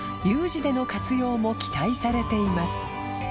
事での活用も期待されています